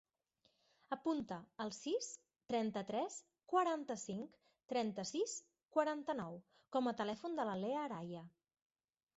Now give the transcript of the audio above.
Apunta el sis, trenta-tres, quaranta-cinc, trenta-sis, quaranta-nou com a telèfon de la Leah Araya.